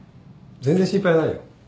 全然心配ないよ。